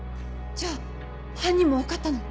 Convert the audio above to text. じゃあ犯人も分かったの？